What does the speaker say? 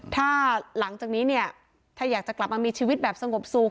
ถ้าหลังจากนี้เนี่ยถ้าอยากจะกลับมามีชีวิตแบบสงบสุข